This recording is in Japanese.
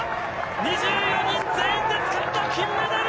２４人全員でつかんだ金メダル！